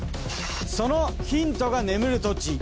そのヒントが眠る土地